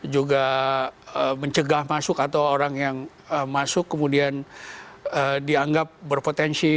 juga mencegah masuk atau orang yang masuk kemudian dianggap berpotensi